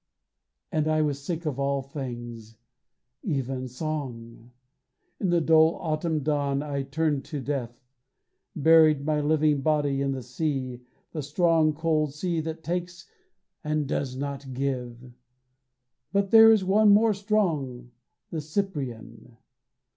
And I was sick of all things even song. In the dull autumn dawn I turned to death, Buried my living body in the sea, The strong cold sea that takes and does not give But there is one more strong, the Cyprian.